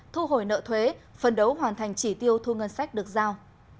thu hồi nợ thuế phần đấu hoàn thành chỉ tiêu thu ngân sách được giao